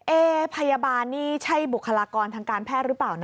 พยาบาลนี่ใช่บุคลากรทางการแพทย์หรือเปล่านะ